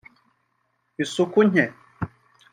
isuku nke